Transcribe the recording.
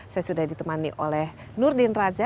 saya sudah ditemani oleh nurdin raja